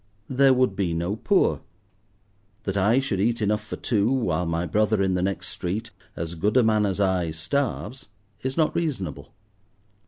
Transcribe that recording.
There would be no poor: that I should eat enough for two while my brother in the next street, as good a man as I, starves, is not reasonable.